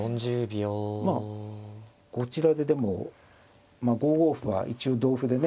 まあこちらででも５五歩は一応同歩でね